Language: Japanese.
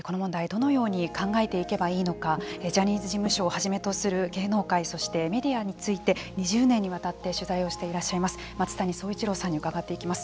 どのように考えていけばいいのかジャニーズ事務所をはじめとする芸能界そしてメディアについて２０年にわたって取材をしていらっしゃいます松谷創一郎さんに伺っていきます。